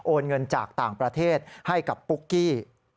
เงินจากต่างประเทศให้กับปุ๊กกี้